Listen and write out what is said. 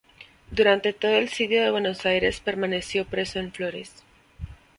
Durante todo el Sitio de Buenos Aires permaneció preso en Flores.